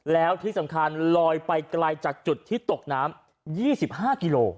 แล้วที่สำคัญลอยไปไกลจากจุดที่ตกน้ำ๒๕กิโล